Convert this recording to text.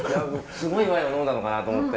すごいワインを呑んだのかなと思って。